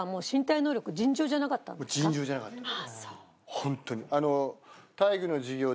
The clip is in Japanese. ホントに。